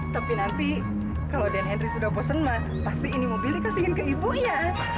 tapi nanti kalau den henry sudah bosan pasti ini mobilnya kasihin ke ibu ya